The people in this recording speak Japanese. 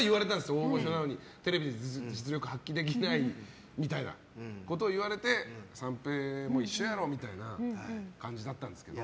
大御所なのにテレビで実力を発揮できないみたいなこと言われて三平も一緒やろみたいな感じだったんですけど。